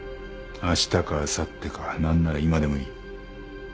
あしたかあさってか何なら今でもいい。